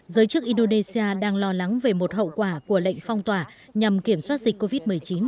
giới chức indonesia đang lo lắng về một hậu quả của lệnh phong tỏa nhằm kiểm soát dịch covid một mươi chín